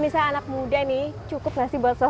saya sudah tulis